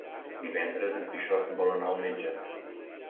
Divendres en Quixot vol anar al metge.